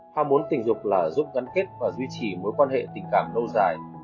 ham muốn tình dục là giúp gắn kết và duy trì mối quan hệ tình cảm lâu dài